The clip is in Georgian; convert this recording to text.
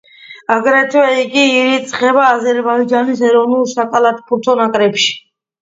აგრეთვე იგი ირიცხება აზერბაიჯანის ეროვნულ საკალათბურთო ნაკრებში.